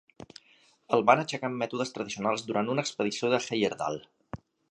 El van aixecar amb mètodes tradicionals durant una expedició de Heyerdahl.